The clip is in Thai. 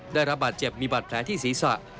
ได้รับบาดเจ็บมีบาดแผลที่ศีรษะ